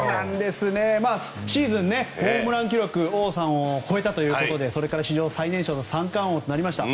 シーズンホームラン記録王さんを超えたということでそれから史上最年少の三冠王となりました。